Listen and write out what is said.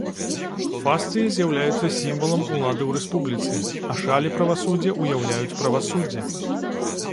Фасцыі з'яўляюцца сімвалам улады ў рэспубліцы, а шалі правасуддзя ўяўляюць правасуддзе.